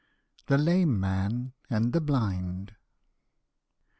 THE LAME MAN AND THE BLIND.